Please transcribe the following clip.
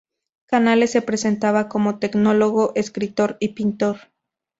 Canales se presentaba como tecnólogo, escritor y pintor.